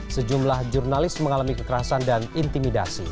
sejumlah jurnalis mengalami kekerasan dan intimidasi